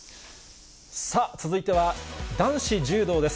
さあ、続いては男子柔道です。